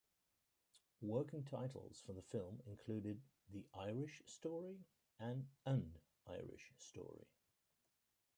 Working titles for the film included "The Irish Story" and "An Irish Story".